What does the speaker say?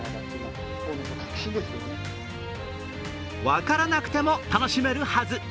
分からなくても楽しめるはず。